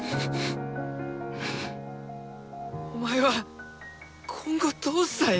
お前は今後どうしたい？